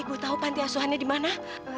ibu tahu panti asuhannya di mana